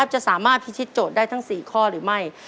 จะสามารถพิชิตโจทย์ได้ทั้ง๔ข้อหรือไม่